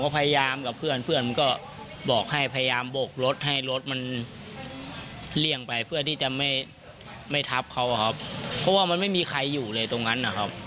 เพราะว่ามันไม่มีใครอยู่เลยตรงนั้นนะครับ